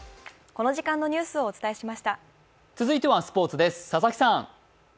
続いてはスポーツです佐々木さん。